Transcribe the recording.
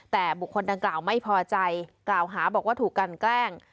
แต่บุคคลดังกล่าวไม่พอใจกล่าวหาบอกว่าถูกกันแกล้ง